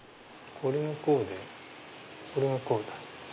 これはこうでこれはこうだ。